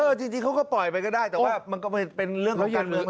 จริงเขาก็ปล่อยไปก็ได้แต่ว่ามันก็เป็นเรื่องของการเมือง